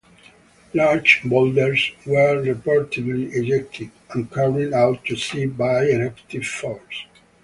Large boulders were reportedly ejected and carried out to sea by eruptive force.